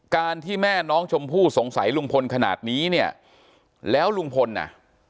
การที่แม่น้องชมพู่สงสัยลุงพลขนาดนี้เนี่ยแล้วลุงพลน่ะ